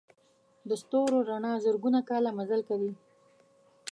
د ستورو رڼا زرګونه کاله مزل کوي.